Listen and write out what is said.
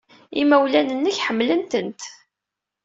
Imawlan-nnek ḥemmlen-tent.